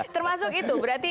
termasuk itu berarti